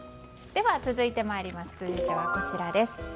続いてはこちらです。